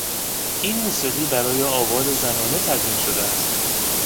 این موسیقی برای آواز زنانه تدوین شده است.